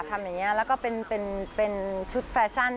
ทำอย่างนี้แล้วก็เป็นชุดแฟชั่น